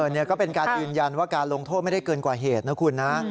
นี่ก็เป็นการยืนยันว่าการลงโทษไม่ได้เกินกว่าเหตุนะคุณนะ